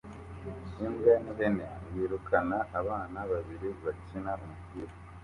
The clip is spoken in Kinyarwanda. Imbwa n'ihene birukana abana babiri bakina umupira